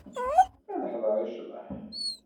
Ad neḥḍer i ccḍeḥ.